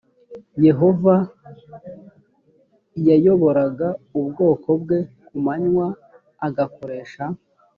yehova yayoboraga ubwoko bwe ku manywa agakoresha